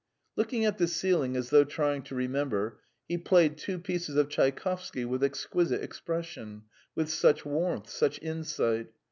Looking at the ceiling as though trying to remember, he played two pieces of Tchaikovsky with exquisite expression, with such warmth, such insight!